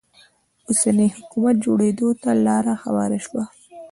د اوسني حکومت جوړېدو ته لاره هواره شوه.